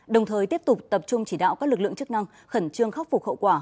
đồng thời tiếp tục tập trung chỉ đạo các lực lượng chức năng khẩn trương khắc phục hậu quả